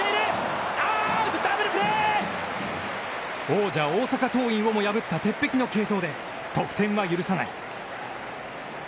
王者・大阪桐蔭をも破った鉄壁の継投で得点は許さない。